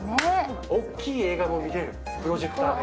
大きい映画も見れるプロジェクターで。